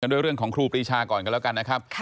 ด้วยเรื่องของครูปรีชาก่อนกันแล้วกันนะครับ